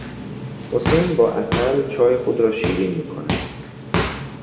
حسین با عسل چای خود را شیرین میکند.